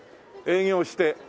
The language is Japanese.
営業して。